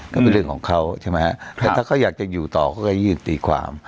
ก็เป็นเรื่องของเขาใช่ไหมฮะแต่ถ้าเขาอยากจะอยู่ต่อเขาก็ยื่นตีความ